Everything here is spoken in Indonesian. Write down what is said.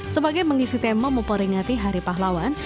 sebagai mengisi tema memperingati hari pahlawan